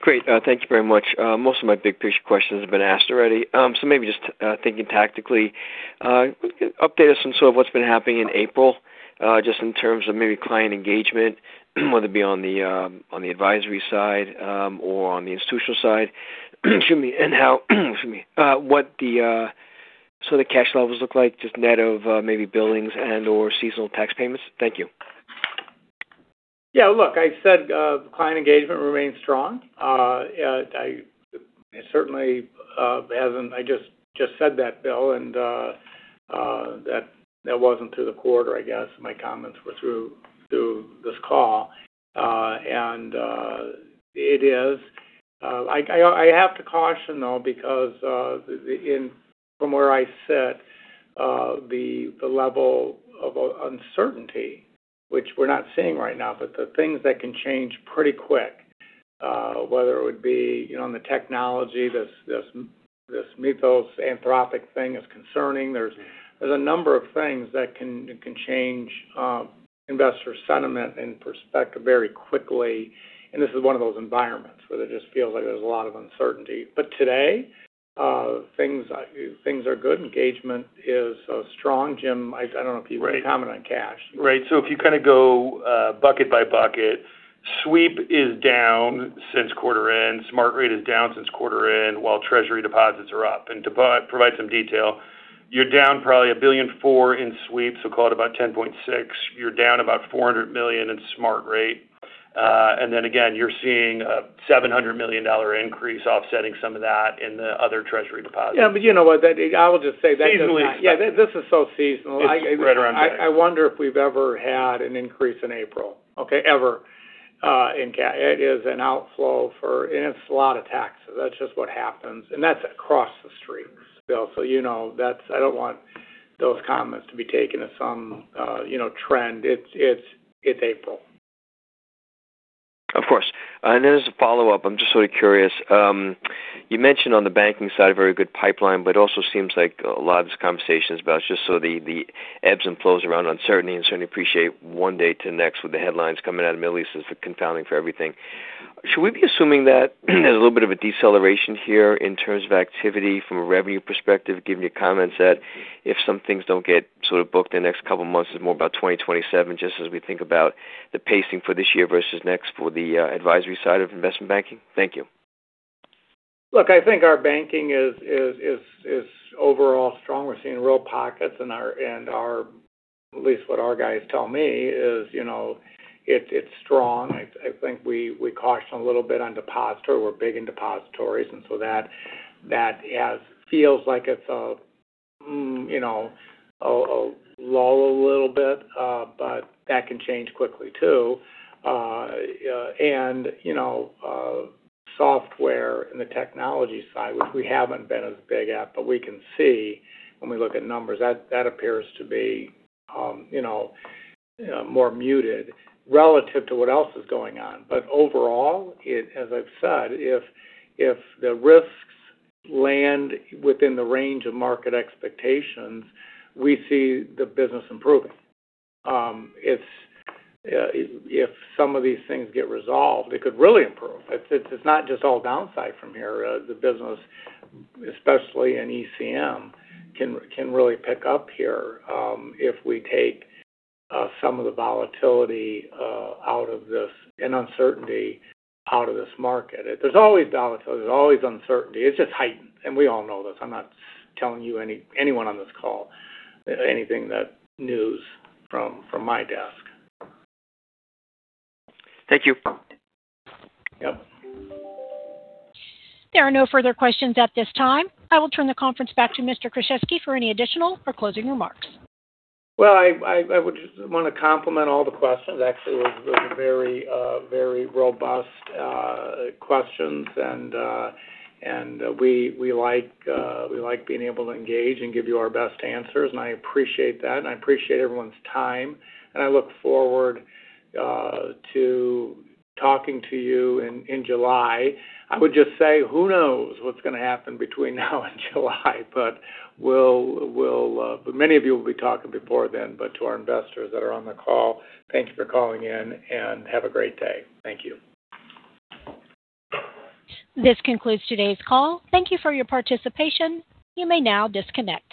Great. Thanks very much. Most of my big picture questions have been asked already. Maybe just thinking tactically. Update us on sort of what's been happening in April, just in terms of maybe client engagement, whether it be on the advisory side or on the institutional side. Excuse me. Excuse me, sort of what the cash levels look like, just net of maybe billings and/or seasonal tax payments? Thank you. Yeah, look, I said client engagement remains strong. It certainly hasn't. I just said that, Bill, and that wasn't through the quarter, I guess. My comments were through this call. It is. I have to caution, though, because from where I sit, the level of uncertainty, which we're not seeing right now, but the things that can change pretty quick. Whether it would be on the technology, this Claude Mythos thing is concerning. There's a number of things that can change investor sentiment and perspective very quickly. This is one of those environments where it just feels like there's a lot of uncertainty. Today, things are good. Engagement is strong. Jim, I don't know if you want to comment on cash. If you kind of go bucket by bucket, sweep is down since quarter end. Smart Rate is down since quarter end, while Treasury deposits are up. To provide some detail, you're down probably $1.4 billion in sweep. Call it about 10.6. You're down about $400 million in Smart Rate. Then again, you're seeing a $700 million increase offsetting some of that in the other Treasury deposits. Yeah, you know what? I will just say that. Seasonally. Yeah, this is so seasonal. It's right around there. I wonder if we've ever had an increase in April. Okay? Ever. It is an outflow, and it's a lot of taxes. That's just what happens. That's across the street, Bill. I don't want those comments to be taken as some trend. It's April. Of course. As a follow-up, I'm just sort of curious. You mentioned on the banking side, a very good pipeline, but it also seems like a lot of this conversation is about just sort of the ebbs and flows around uncertainty, and certainly, I appreciate one day to the next with the headlines coming out of the Middle East is confounding for everything. Should we be assuming that there's a little bit of a deceleration here in terms of activity from a revenue perspective, given your comments that if some things don't get sort of booked in the next couple of months, it's more about 2027, just as we think about the pacing for this year versus next for the advisory side of investment banking? Thank you. Look, I think our banking is overall strong. We're seeing real pockets, at least what our guys tell me is it's strong. I think we cautioned a little bit on depository. We're big in depositories, that feels like it's a lull a little bit. That can change quickly, too. Software in the technology side, which we haven't been as big at, but we can see when we look at numbers, that appears to be more muted relative to what else is going on. Overall, as I've said, if the risks land within the range of market expectations, we see the business improving. If some of these things get resolved, it could really improve. It's not just all downside from here. The business, especially in ECM, can really pick up here if we take some of the volatility out of this and uncertainty out of this market. There's always volatility. There's always uncertainty. It's just heightened. We all know this. I'm not telling you, anyone on this call, anything new from my desk. Thank you. Yep. There are no further questions at this time. I will turn the conference back to Mr. Kruszewski for any additional or closing remarks. Well, I want to compliment all the questions. Actually, it was very robust questions, and we like being able to engage and give you our best answers, and I appreciate that. I appreciate everyone's time. I look forward to talking to you in July. I would just say, who knows what's going to happen between now and July, but many of you will be talking before then. To our investors that are on the call, thank you for calling in, and have a great day. Thank you. This concludes today's call. Thank you for your participation. You may now disconnect.